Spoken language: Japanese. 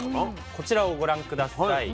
こちらをご覧下さい。